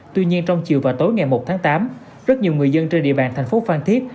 tuy nhiên trong chiều và tối ngày một tháng tám rất nhiều người dân trên địa bàn thành phố phan thiết